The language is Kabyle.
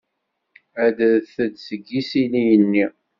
Adret-d seg yisili-nni.